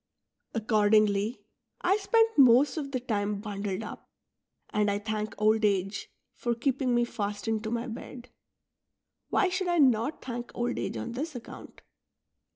Accordingly, I spend most of the time bundled up ; and I thank old age for keeping me fastened to my bed." Why should I not thank old age on this account